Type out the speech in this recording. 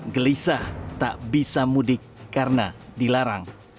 gelisah tak bisa mudik karena dilarang